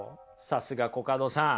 さすがコカドさん。